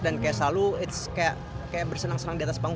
dan kayak selalu it s kayak bersenang senang di atas panggung